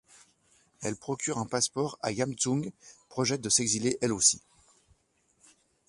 Elle procure un passeport à Yamtzung, projette de s'exiler elle aussi.